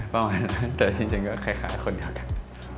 ประมาณนั้นแต่จริงก็คล้ายคนเดียวกัน